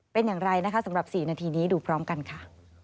เป็นอย่างไรนะคะสำหรับ๔นาทีนี้ดูพร้อมกันค่ะ